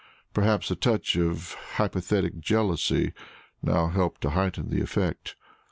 Perhaps a touch of hypothetic jealousy now helped to heighten the effect.